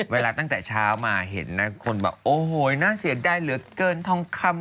เวลาตั้งแต่เช้ามาเห็นนะคนแบบโอ้โหน่าเสียดายเหลือเกินทองคำ